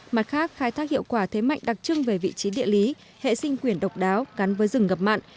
mặt khác khai thác hiệu quả thế mạnh đặc trưng về vị trí địa lý hệ sinh quyền độc đáo gắn với rừng ngập mặn